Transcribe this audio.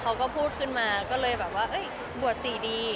เขาก็พูดขึ้นมาก็เลยแบบว่าบวชสี่ดี